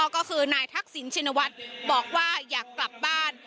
ก็คือนายทักษิณชินวัฒน์บอกว่าอยากกลับบ้าน